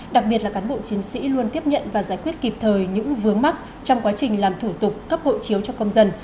đặc biệt là cán bộ chiến sĩ luôn tiếp nhận và giải quyết kịp thời những vướng mắc trong quá trình làm thủ tục cấp hộ chiếu cho công dân